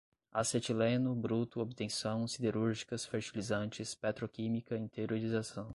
acetileno, bruto, obtenção, siderúrgicas, fertilizantes, petroquímica, interiorização